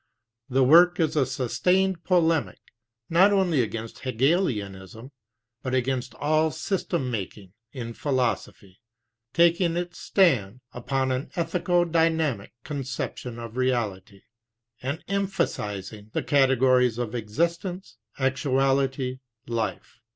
The work is a sustained polemic not only against Hegelianism, but against all system making in philosophy, taking its stand upon an ethico dynamic conception of reality, and emphasizing the categories of existence, actuality, life.